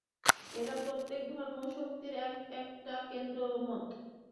এরা প্রত্যেকে ধর্ম-শক্তির এক একটা কেন্দ্রের মত।